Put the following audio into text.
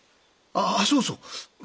ああそうそう。